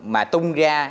mà tung ra